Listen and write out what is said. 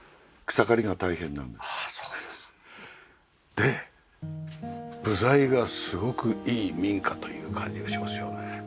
で部材がすごくいい民家という感じがしますよね。